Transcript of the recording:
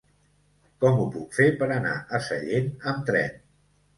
Com ho puc fer per anar a Sallent amb tren?